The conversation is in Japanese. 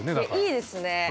いいですね。